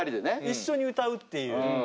一緒に歌うっていう。